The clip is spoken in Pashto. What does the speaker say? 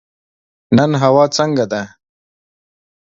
نن هوا څنګه ده؟